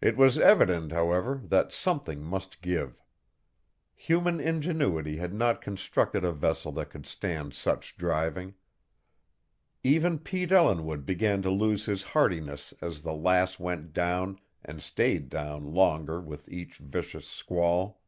It was evident, however, that something must give. Human ingenuity had not constructed a vessel that could stand such driving. Even Pete Ellinwood began to lose his heartiness as the Lass went down and stayed down longer with each vicious squall.